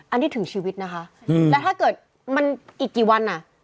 อันนี้ถึงชีวิตนะคะแล้วถ้าเกิดมันอีกกี่วันอ่ะ